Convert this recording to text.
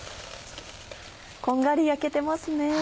こんがり焼けてますね。